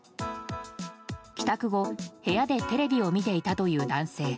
帰宅後、部屋でテレビを見ていたという男性。